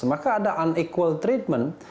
maka ada unequal treatment